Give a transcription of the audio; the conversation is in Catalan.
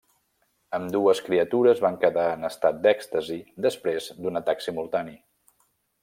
Ambdues criatures van quedar en estat d'èxtasi després d'un atac simultani.